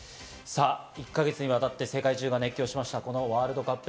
１か月にわたって世界中が熱狂しました、ワールドカップ。